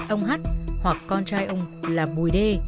ông hát hoặc con trai ông là bùi đê